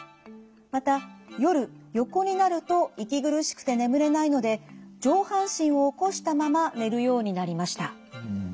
また夜横になると息苦しくて眠れないので上半身を起こしたまま寝るようになりました。